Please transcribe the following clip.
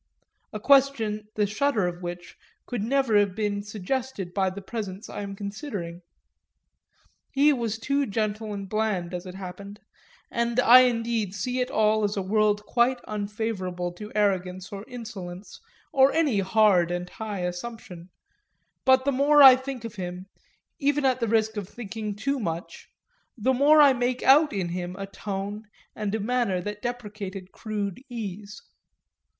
a question the shudder of which could never have been suggested by the presence I am considering. He too was gentle and bland, as it happened and I indeed see it all as a world quite unfavourable to arrogance or insolence or any hard and high assumption; but the more I think of him (even at the risk of thinking too much) the more I make out in him a tone and a manner that deprecated crude ease.